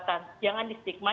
jangan distigma jangan dideteksi